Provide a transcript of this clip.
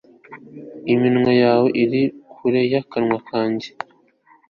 Iminwa yawe iri kure yakanwa kanjye